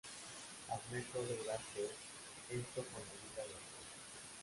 Admeto logró hacer esto con la ayuda de Apolo.